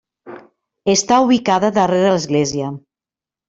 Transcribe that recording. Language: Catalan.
Està ubicada darrere l'església.